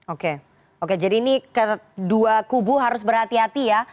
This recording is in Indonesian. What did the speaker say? oke oke jadi ini kedua kubu harus berhati hati ya